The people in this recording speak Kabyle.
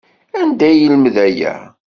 Anda ay yelmed aya?